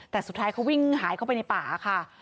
แต่สุดท้ายเขาวิ่งหายเข้าไปในป่าค่ะ